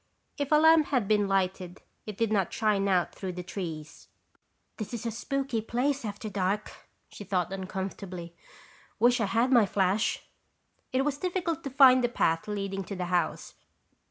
If a lamp had been lighted, it did not shine out through the trees. "This is a spooky place after dark," she thought uncomfortably. "Wish I had my flash." It was difficult to find the path leading to the house.